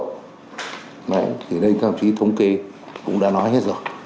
thì đây tham chí thống kê cũng đã nói hết rồi